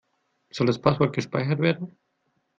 Soll das Passwort gespeichert werden?